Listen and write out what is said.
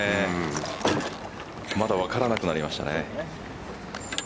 まだ分からなくなりましたね。